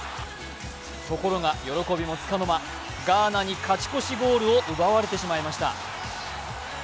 ところが喜びもつかの間、ガーナに勝ち越しゴールを奪われてしまいました。